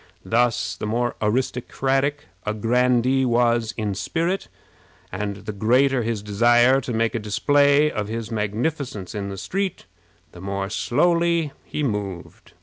Thus, the more aristocratic a grandee was in spirit, and the greater his desire to make a display of his magnificence in the street, the more slowly he moved.